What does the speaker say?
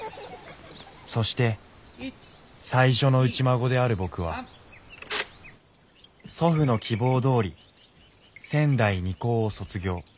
そして最初の内孫である僕は祖父の希望どおり仙台二高を卒業。